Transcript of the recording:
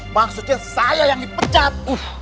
maksudnya saya yang dipecat